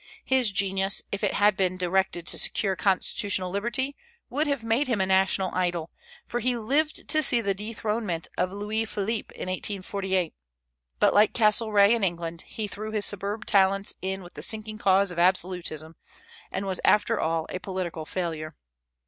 His genius, if it had been directed to secure constitutional liberty, would have made him a national idol, for he lived to see the dethronement of Louis Philippe in 1848; but like Castlereagh in England, he threw his superb talents in with the sinking cause of absolutism, and was after all a political failure.